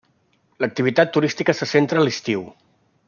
L'activitat turística se centra a l'estiu.